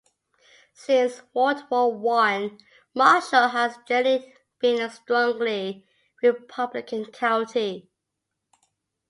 Since World War One, Marshall has generally been a strongly Republican county.